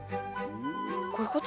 こういうこと？